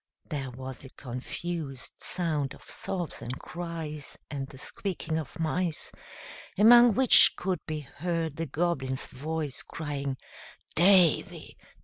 There was a confused sound of sobs and cries and the squeaking of mice, among which could be heard the Goblin's voice, crying, "Davy!